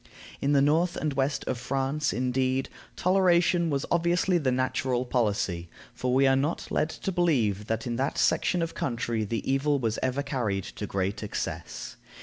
In the north and west of France, indeed, toleration was obviously the natural policy, for we are not led to believe that in that section of country the evil was ever carried to great excess.